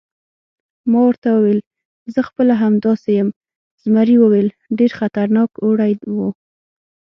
ما ورته وویل: زه خپله همداسې یم، زمري وویل: ډېر خطرناک اوړی و.